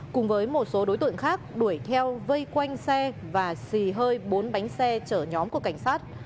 cùng với một số đối tượng khác đuổi theo vây quanh xe và xì hơi bốn bánh xe chở nhóm của cảnh sát